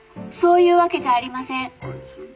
「そういうわけじゃありません」。